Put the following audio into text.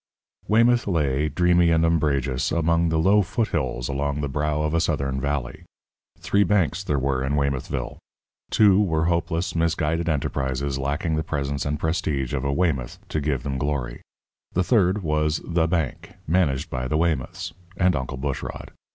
Weymouth lay, dreamy and umbrageous, among the low foothills along the brow of a Southern valley. Three banks there were in Weymouthville. Two were hopeless, misguided enterprises, lacking the presence and prestige of a Weymouth to give them glory. The third was The Bank, managed by the Weymouths and Uncle Bushrod.